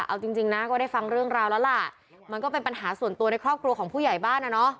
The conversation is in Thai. เอาจริงนะก็ได้ฟังเรื่องราวแล้วล่ะมันก็เป็นปัญหาส่วนตัวในครอบครัวของผู้ใหญ่บ้านอ่ะเนอะ